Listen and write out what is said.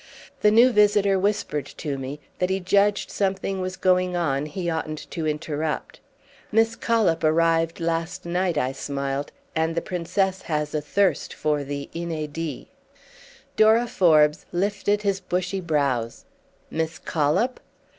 The new visitor whispered to me that he judged something was going on he oughtn't to interrupt. "Miss Collop arrived last night," I smiled, "and the Princess has a thirst for the inédit." Dora Forbes lifted his bushy brows. "Miss Collop?"